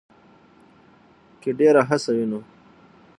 کې ډېره هڅه وينو